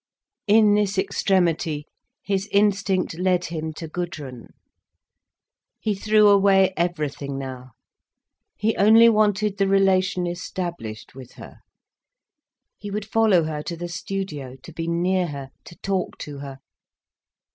In this extremity his instinct led him to Gudrun. He threw away everything now—he only wanted the relation established with her. He would follow her to the studio, to be near her, to talk to her.